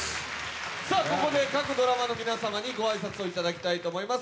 ここで各ドラマの皆様にご挨拶をいただきたいと思います。